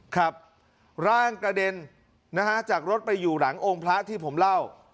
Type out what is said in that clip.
ครับร่างกระเด็นนะฮะจากรถไปอยู่หลังองค์พระที่ผมเล่า